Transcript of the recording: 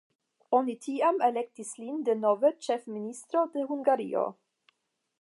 Oni tiam elektis lin denove ĉefministro de Hungario.